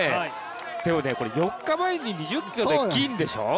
でもこれ４日前に２０ｋｍで金でしょ。